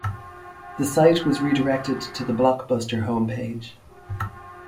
The site was re-directed to the Blockbuster home page.